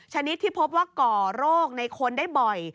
ชนิดที่พบว่าก่อโรคในคนได้บ่อย